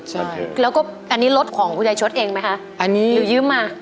ใช่แล้วก็อันนี้รถของคุณยายชดเองไหมคะอันนี้หรือยืมมา